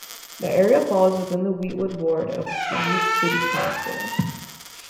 The area falls within the Weetwood ward of Leeds City Council.